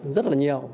rất là nhiều